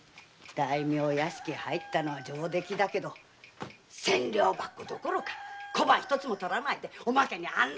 大名屋敷へ入ったのは上出来だけど千両箱どころか小判一枚取らないであんな